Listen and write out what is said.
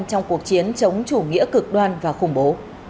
trong cuộc chiến chống chủ nghĩa cực đoan và khủng bố